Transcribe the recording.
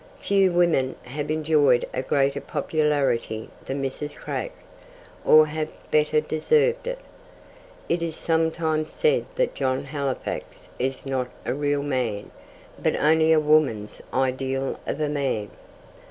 Few women have enjoyed a greater popularity than Mrs. Craik, or have better deserved it. It is sometimes said that John Halifax is not a real man, but only a woman's ideal of a man.